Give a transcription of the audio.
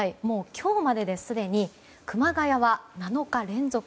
今日までですでに熊谷は７日連続